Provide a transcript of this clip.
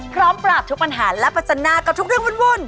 พร้อมปราบทุกปัญหาและประจันหน้ากับทุกเรื่องวุ่น